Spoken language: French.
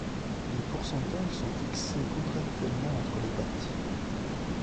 Les pourcentages son fixés contractuellement entre les parties.